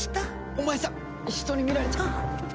お前さん人に見られちゃ。